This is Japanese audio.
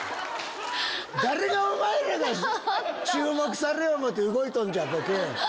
誰がお前らが注目されようと思うて動いとんじゃボケ！